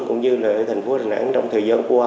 cũng như là thành phố đà nẵng trong thời gian qua